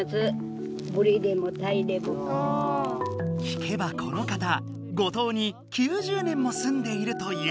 聞けばこの方五島に９０年もすんでいるという。